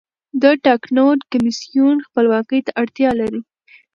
د ټاکنو کمیسیون خپلواکۍ ته اړتیا لري